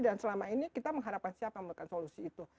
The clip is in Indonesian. dan selama ini kita mengharapkan siapa melakukan solusi itu